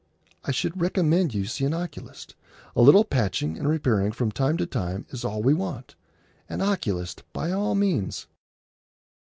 I should recommend you to see an oculist. A little patching and repairing from time to time is all we want. An oculist, by all means."